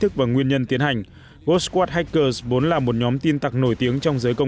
thức và nguyên nhân tiến hành ghost squad hackers bốn là một nhóm tin tặc nổi tiếng trong giới công